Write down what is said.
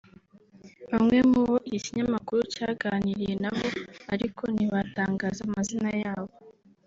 Bamwe mu bo iki kinyamakuru cyaganiriye nabo ariko ntibatangaza amazina yabo